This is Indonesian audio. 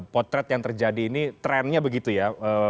potret yang terjadi ini trennya begitu ya